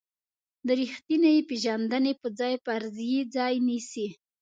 د ریښتینې پېژندنې په ځای فرضیې ځای نیسي.